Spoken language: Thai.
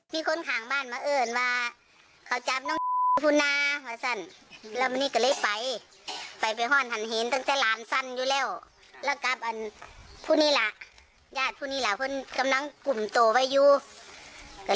แต่ตัวผู้หาเราขังหมดแล้ว